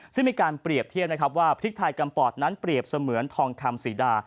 ซึ่งมีการเปรียบเทียบนะครับว่าพริกไทยกำปอดนั้นเปรียบเสมือนทองคำศรีดา